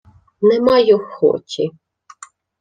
— Не маю хоті.